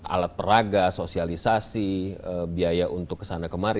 alat peraga sosialisasi biaya untuk kesana kemari